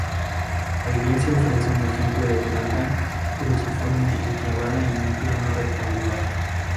La iglesia ofrece un ejemplo de planta cruciforme enclavada en un plano rectangular.